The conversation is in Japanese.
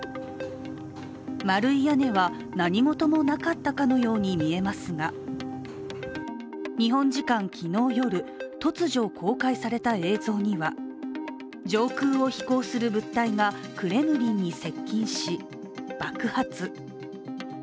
丸い屋根は、何事もなかったかのように見えますが、日本時間昨日夜、突如公開された映像には上空を飛行する物体がクレムリンに接近し、爆発。